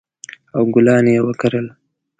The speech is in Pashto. او ګلان یې وکرل